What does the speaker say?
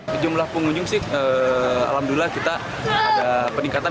sejumlah pengunjung sih alhamdulillah kita ada peningkatan